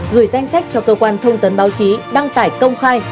gửi danh sách cho cơ quan thông tấn báo chí đăng tải công khai